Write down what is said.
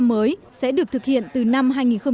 mới sẽ được thực hiện từ năm